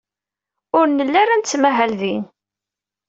Ur nelli ara nettmahal din.